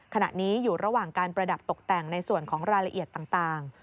ขณะนี้อยู่ระหว่างการประดับตกแต่งในส่วนของรายละเอียดต่าง